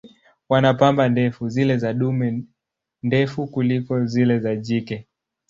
Wana pamba ndefu, zile za dume ndefu kuliko zile za jike.